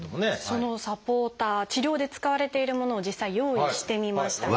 そのサポーター治療で使われているものを実際用意してみました。